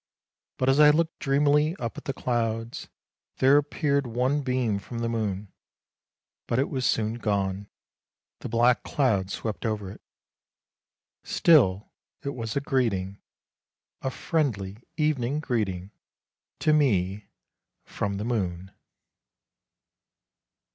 But as I looked dreamily up at the clouds, there appeared one beam from the moon — but it was soon gone, the black clouds swept over it. Still it was a greeting, a friendly evening greeting, to me from the moon.